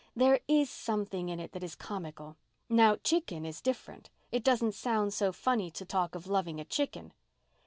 "There is something in it that is comical. Now, 'chicken' is different. It doesn't sound so funny to talk of loving a chicken."